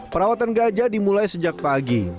perawatan gajah dimulai sejak pagi